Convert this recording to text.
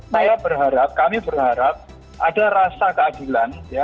saya berharap kami berharap ada rasa keadilan